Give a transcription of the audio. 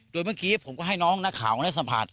โดยเมื่อกี้ผมก็ให้น้องนักข่าวได้สัมผัส